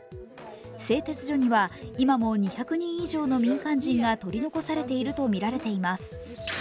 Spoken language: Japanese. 製鉄所には今も２００人以上の民間人が取り残されているとみられています。